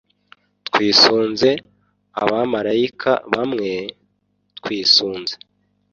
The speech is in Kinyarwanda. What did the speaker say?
twisunze abamalayika bawe, twisunze